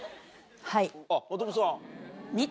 はい。